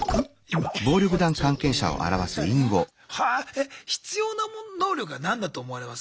え必要な能力は何だと思われます？